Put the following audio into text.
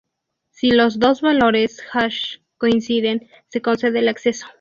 Si los dos valores hash coinciden, se concede el acceso.